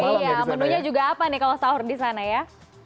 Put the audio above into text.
iya menunya juga apa nih kalau sahur di sana ya